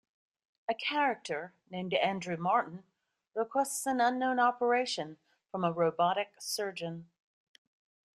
A character named Andrew Martin requests an unknown operation from a robotic surgeon.